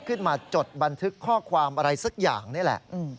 จดบันทึกข้อความอะไรสักอย่างนี่แหละ